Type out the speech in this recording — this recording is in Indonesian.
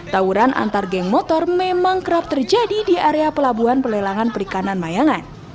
tawuran antar geng motor memang kerap terjadi di area pelabuhan pelelangan perikanan mayangan